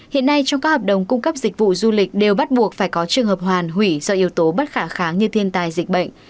hiện nay trong các hợp đồng cung cấp dịch vụ du lịch đều bắt buộc phải có trường hợp hoàn hủy do yếu tố bất khả kháng như thiên tài dịch bệnh